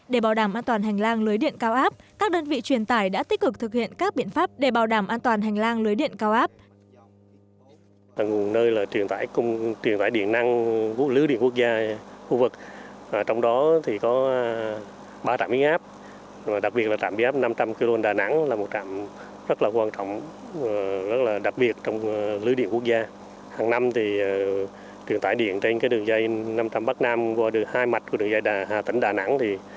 để bảo đảm an toàn hành lang lưới điện cao áp các đơn vị truyền tải đã tích cực thực hiện các biện pháp để bảo đảm an toàn hành lang lưới điện cao áp